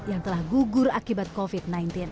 yang telah gugur akibat covid sembilan belas